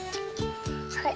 はい。